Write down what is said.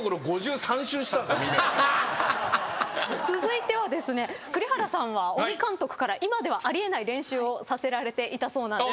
続いてはですね栗原さんは鬼監督から今ではあり得ない練習をさせられていたそうなんです。